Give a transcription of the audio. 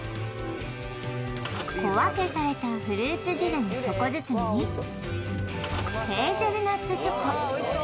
小分けされたフルーツジュレのチョコ包みにヘーゼルナッツチョコ